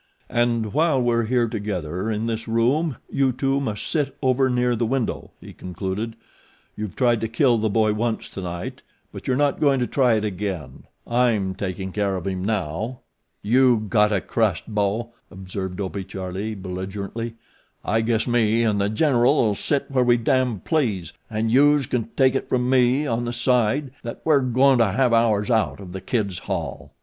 "And while we're here together in this room you two must sit over near the window," he concluded. "You've tried to kill the boy once to night; but you're not going to try it again I'm taking care of him now." "You gotta crust, bo," observed Dopey Charlie, belligerently. "I guess me an' The General'll sit where we damn please, an' youse can take it from me on the side that we're goin' to have ours out of The Kid's haul.